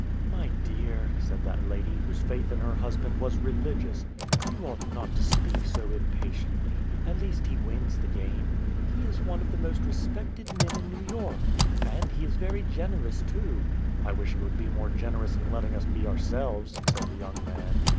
"My dear," said that lady, whose faith in her husband was religious, "you ought not to speak so impatiently. At least he wins the game. He is one of the most respected men in New York. And he is very generous, too." "I wish he would be more generous in letting us be ourselves," said the young man.